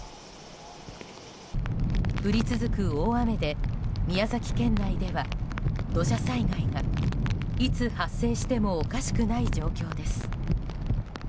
降り続く大雨で宮崎県内では土砂災害がいつ発生してもおかしくない状況です。